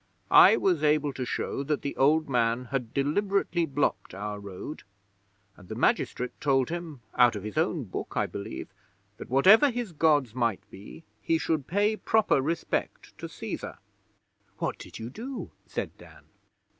I was able to show that the old man had deliberately blocked our road; and the magistrate told him, out of his own Book, I believe, that, whatever his Gods might be, he should pay proper respect to Cæsar.' 'What did you do?' said Dan.